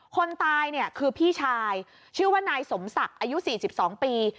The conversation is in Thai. คนตายเนี่ยคือพี่ชายชื่อว่านายสมศักดิ์อายุ๔๒ปี